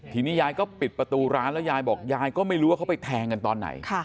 ทีนี้ยายก็ปิดประตูร้านแล้วยายบอกยายก็ไม่รู้ว่าเขาไปแทงกันตอนไหน